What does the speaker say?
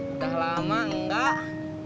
udah lama enggak